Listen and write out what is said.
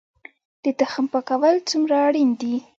د تخم پاکول څومره اړین دي؟